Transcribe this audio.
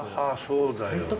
そうだよね。